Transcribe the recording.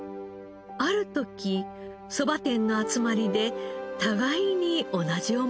ある時そば店の集まりで互いに同じ思いと知ります。